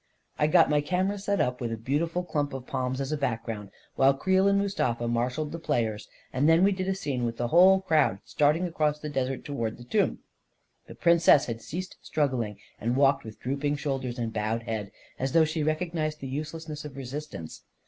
. I got my camera set up with a beautiful clump of palms as a background, while Creel and Mustafa marshalled the players, and then we did a scene with the whole crowd starting across the desert toward the tomb. The Princess had ceased struggling, and walked with drooping shoulders and bowed head, as though she recognized the uselessness of resist ance.